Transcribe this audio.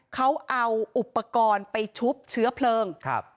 เขาเอาอุปกรณ์ไปชุบเชื้อเพลิงครับ